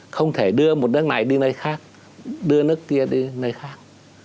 không thể đưa một nước này đi nơi khác đưa nước kia đi nơi khác